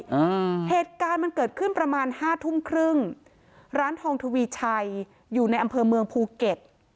อ่าเหตุการณ์มันเกิดขึ้นประมาณห้าทุ่มครึ่งร้านทองทวีชัยอยู่ในอำเภอเมืองภูเก็ต